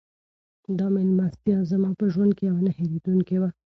دا مېلمستیا زما په ژوند کې یوه نه هېرېدونکې وه.